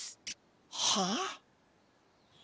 はあ？